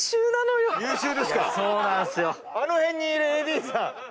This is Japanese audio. あの辺にいるＡＤさん。